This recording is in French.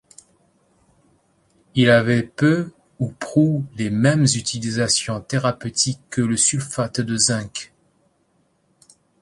Il avait peu ou prou les mêmes utilisations thérapeutiques que le sulfate de zinc.